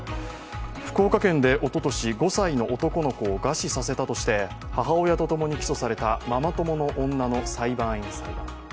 福岡県でおととし５歳の男の子を餓死させたとして母親とともに起訴されたママ友の女の裁判員裁判。